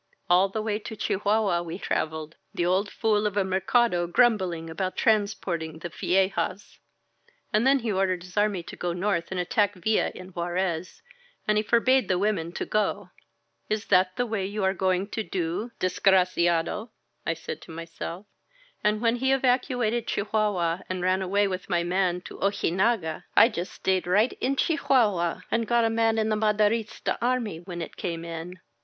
All the way to Chihuahua we traveled, the old fool of a Mercado grumbling about transporting the viejas* And then he ordered his army to go north and attack Villa in Juarez, and he forbade the women to go. Is that the way you are going to do, desgra ciado? I said to myself. And when he evacuated Chi huahua and ran away with my man to Ojinaga, I just stayed right in Chihuahua and got a man in the Ma derista army when it came in.